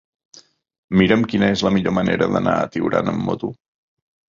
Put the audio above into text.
Mira'm quina és la millor manera d'anar a Tiurana amb moto.